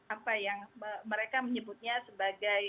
apa yang mereka menyebutnya sebagai